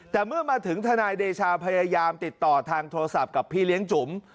แต่เมื่อมาถึงทนายเดชาพยายามติดต่อทางโทรศัพท์กับพี่เลี้ยงจุ๋ม